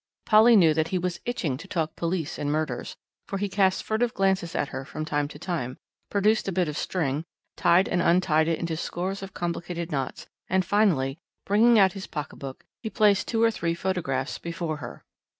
Polly knew that he was itching to talk police and murders, for he cast furtive glances at her from time to time, produced a bit of string, tied and untied it into scores of complicated knots, and finally, bringing out his pocket book, he placed two or three photographs before her.